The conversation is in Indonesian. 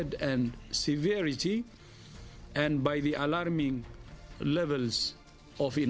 dan dengan nilai alami yang tidak berkembang